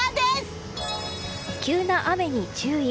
急な雨に注意。